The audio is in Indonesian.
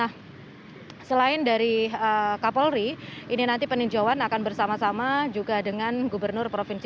sebagai informasi bahwa data terakhir yang disampaikan oleh menteri mohadjir fnd ini bahwa korban meninggal dunia hingga posisi terakhir ini adalah tiga belas orang